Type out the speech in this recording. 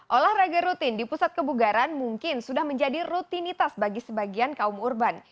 olahraga rutin di pusat kebugaran mungkin sudah menjadi rutinitas bagi sebagian kaum urban